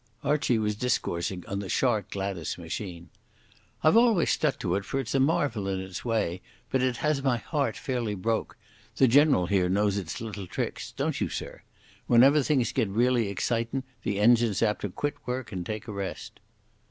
Archie was discoursing of the Shark Gladas machine. "I've always stuck to it, for it's a marvel in its way, but it has my heart fairly broke. The General here knows its little tricks. Don't you, sir? Whenever things get really excitin', the engine's apt to quit work and take a rest."